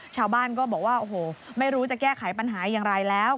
ชาวบ้านก็บอกว่าโอ้โหไม่รู้จะแก้ไขปัญหาอย่างไรแล้ว